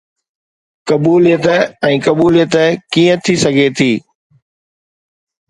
قبوليت ۽ قبوليت ڪيئن ٿي سگهي ٿي؟